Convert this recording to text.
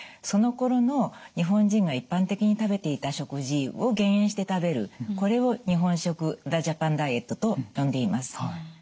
そのころの日本人が一般的に食べていた食事を減塩して食べるこれを日本食ザ・ジャパン・ダイエットと呼んでいます。